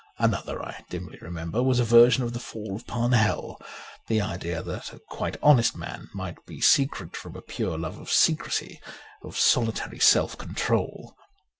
Another, I dimly remember, was a version of the fall of Parnell ; the idea that a quite honest man might be secret from a pure love of secrecy, of solitary self control.